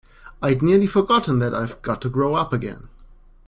I’d nearly forgotten that I’ve got to grow up again!